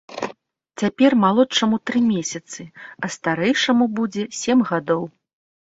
Цяпер малодшаму тры месяцы, а старэйшаму будзе сем гадоў.